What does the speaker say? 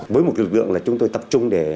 với một lực lượng là chúng tôi tập trung để